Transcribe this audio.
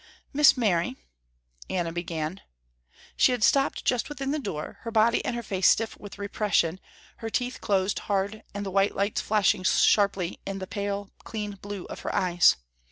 "Miss Mary," Anna began. She had stopped just within the door, her body and her face stiff with repression, her teeth closed hard and the white lights flashing sharply in the pale, clean blue of her eyes.